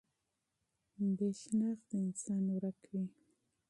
بې هويته انسان ورک وي.